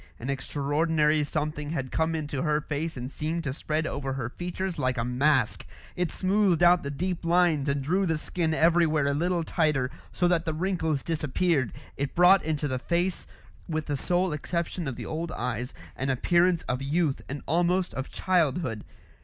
An extraordinary something had come into her face and seemed to spread over her features like a mask; it smoothed out the deep lines and drew the skin everywhere a little tighter so that the wrinkles disappeared; it brought into the face with the sole exception of the old eyes an appearance of youth and almost of childhood.